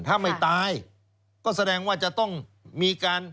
ถ้าไม่ตายก็แสดงว่าจะต้องมีการ